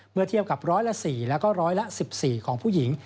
เมื่อเทียบกับร้อยละ๔แล้วก็ร้อยละ๑๔ของผู้หญิง